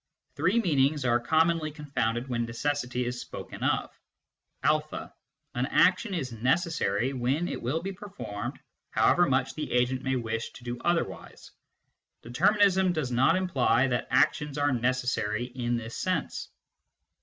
Three meanings are commonly confounded when necessity is spoken of : (a) An action is necessary when it will be performed however much the agent may wish to do otherwise. Determinism does not imply that actions are necessary in this sense.